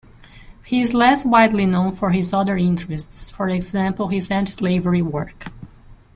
He is less widely known for his other interests, for example his anti-slavery work.